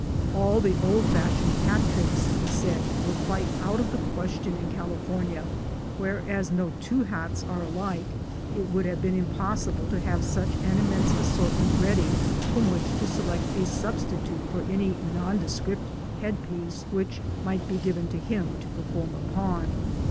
All the old fashioned hat tricks, he said, were quite out of the question in California, where, as no two hats are alike, it would have been impossible to have such an immense assortment ready, from which to select a sub stitute for any nondescript head piece which might be given to him to perform upon.